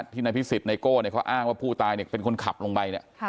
ที่นายพิสิทธิไนโก้เขาอ้างว่าผู้ตายเป็นคนขับลงไปเนี่ย